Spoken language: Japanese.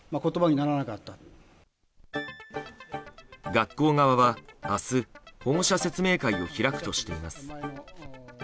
学校側は明日保護者説明会を開くとしています。